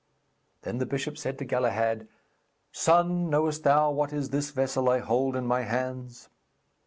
Then the bishop said to Galahad: 'Son, knowest thou what is this vessel I hold in my hands?'